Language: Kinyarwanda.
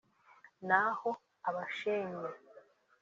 naho abashenye